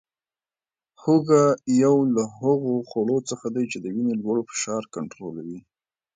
هوګه یو له هغو خوړو څخه دی چې د وینې لوړ فشار کنټرولوي